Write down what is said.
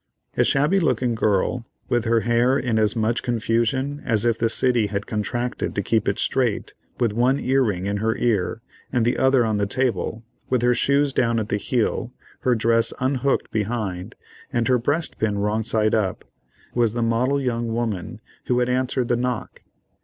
A shabby looking girl, with her hair in as much confusion as if the city had contracted to keep it straight, with one ear ring in her ear, and the other on the table, with her shoes down at the heel, her dress unhooked behind, and her breast pin wrong side up, was the model young woman who had answered the knock.